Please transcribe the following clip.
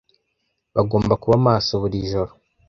Bagomba kuba maso buri ijoro.